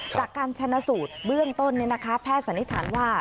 จากการชนะสูตรเบื้องต้นแพทย์สันนิษฐานว่า